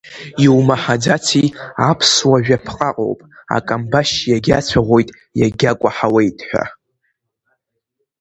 Иумаҳаӡаци аԥсуа жәаԥҟа ыҟоуп, акамбашь иагьацәаӷәоит, иагьакәаҳауеит ҳәа?